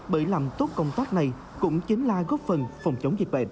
bởi làm tốt công tác này cũng chính là góp phần phòng chống dịch bệnh